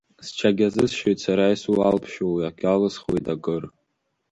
Сҽагьазысшәоит сара исуалԥшьоу иагьалысхуеит акыр.